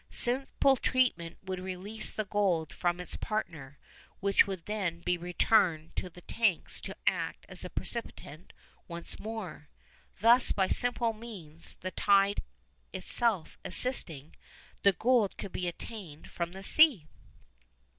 Simple treatment would release the gold from its partner, which would then be returned to the tanks to act as the precipitant once more. Thus by simple means, the tide itself assisting, the gold could be obtained from the sea.